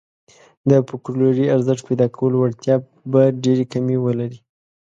د فوکلوري ارزښت پيدا کولو وړتیا به ډېرې کمې ولري.